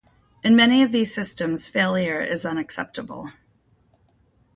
In many of these systems, failure is unacceptable.